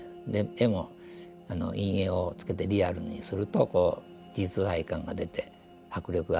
絵も陰影をつけてリアルにするとこう実在感が出て迫力が出るのかなと思いますですね。